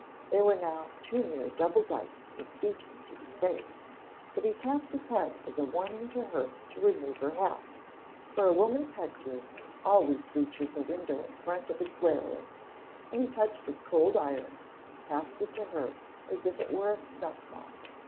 They were now too near Double Dykes for speaking to be safe, but he tapped his head as a warning to her to remove her hat, for a woman's head gear always reaches a window in front of its wearer, and he touched his cold iron and passed it to her as if it were a snuff mull.